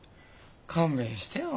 勘弁してよ